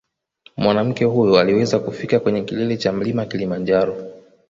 Mwanamke huyo aliweza kufika kwenye kilele cha mlima Kilimanjaro